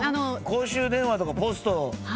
公衆電話とかポストですよね。